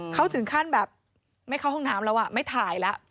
เขาถึงขั้นแบบไม่เข้าห้องน้ำแล้วไม่ถ่ายแล้ว